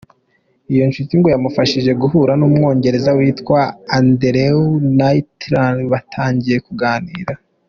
Iyo nshuti ngo yamufashije guhura n’Umwongereza witwa Andrew Nightingale, batangira kuganira.